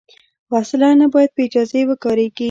وسله نه باید بېاجازه وکارېږي